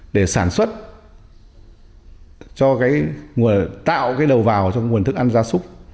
để sản xuất tạo cái đầu vào cho nguồn thức ăn gia súc